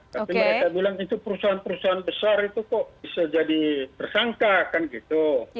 tapi mereka bilang itu perusahaan perusahaan besar itu kok bisa jadi tersangka kan gitu